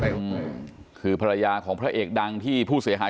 เป็นชื่อเราอะไรประมาณเนี้ยค่ะคือภรรยาของพระเอกดังที่ผู้เสียหาย